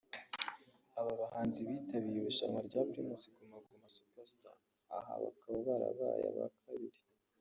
-Aba bahanzi bitabiriye irushanwa rya Primus Guma Guma Super Star aha bakaba barabaye aba kabiri